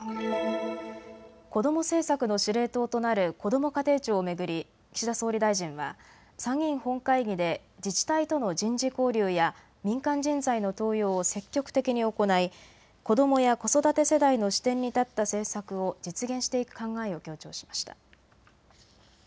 子ども政策の司令塔となるこども家庭庁を巡り岸田総理大臣は参議院本会議で自治体との人事交流や民間人材の登用を積極的に行い、子どもや子育て世代の視点に立った政策を実現していく考えを強調しました。